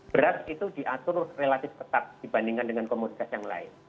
beras itu diatur relatif ketat dibandingkan dengan komoditas yang lain